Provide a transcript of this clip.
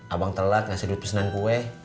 abang telat ngasih duit pesanan kue